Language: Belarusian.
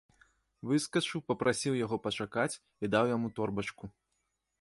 Выскачыў, папрасіў яго пачакаць і даў яму торбачку.